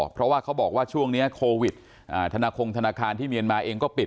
เพราะว่าเขาบอกว่าช่วงนี้โควิดธนาคงธนาคารที่เมียนมาเองก็ปิด